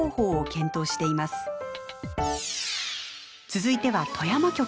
続いては富山局。